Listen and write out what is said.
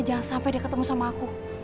jangan sampai dia ketemu sama aku